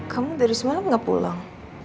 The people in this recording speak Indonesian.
kamu dari semalam gak pulang